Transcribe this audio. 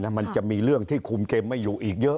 มันจะมีเรื่องที่คุมเกมไม่อยู่อีกเยอะ